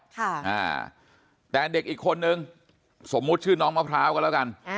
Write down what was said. ค่ะอ่าแต่เด็กอีกคนนึงสมมุติชื่อน้องมะพร้าวกันแล้วกัน